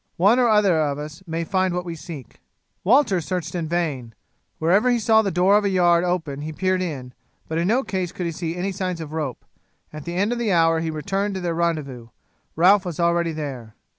One or other of us may find what we seek." Walter searched in vain. Wherever he saw the door of a yard open he peered in, but in no case could he see any signs of rope. At the end of the hour he returned to their rendezvous. Ralph was already there.